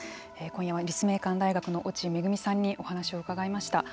今夜は立命館大学の越智萌さんにお話を伺いました。